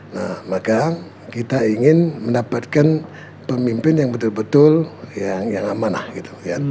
nah maka kita ingin mendapatkan pemimpin yang betul betul yang amanah gitu ya